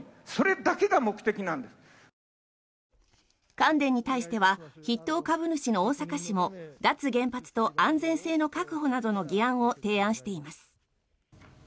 関電に対しては筆頭株主の大阪市も脱原発と安全性の確保などの議案を提案しています。